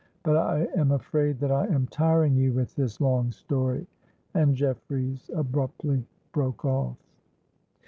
But I am afraid that I am tiring you with this long story;"—and Jeffreys abruptly broke off.